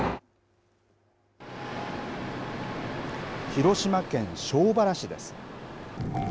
広島県庄原市です。